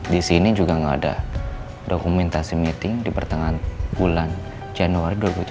di sini juga nggak ada dokumentasi meeting di pertengahan bulan januari dua ribu tujuh belas